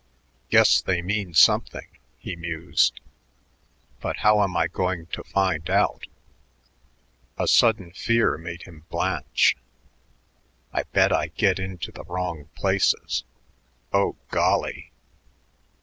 "Guess they mean something," he mused, "but how am I going to find out?" A sudden fear made him blanch. "I bet I get into the wrong places. Oh, golly!"